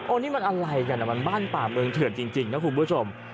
อันนี้มันอะไรกันมันบ้านป่าเมืองเถื่อนจริงนะคุณผู้ชม